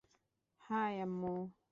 High, আম্মু।